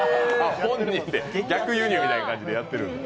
逆輸入みたいな感じでやってる。